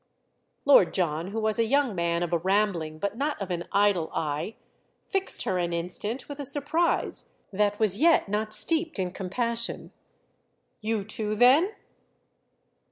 Lord John, who was a young man of a rambling but not of an idle eye, fixed her an instant with a surprise that was yet not steeped in compassion. "You too then?"